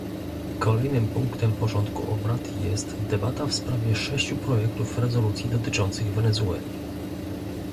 Kolejnym punktem porządku obrad jest debata w sprawie sześciu projektów rezolucji dotyczących Wenezueli